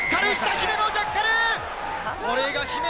姫野、ジャッカル。